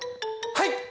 はい！